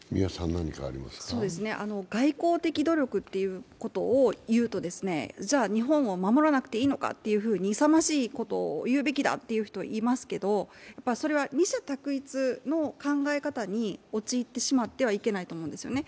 外交的努力っていうのをいうと、じゃあ、日本を守らなくていいのかというふうに、勇ましいことを言う人がいますけど、二者択一の考え方に陥ってしまってはいけないと思うんですよね。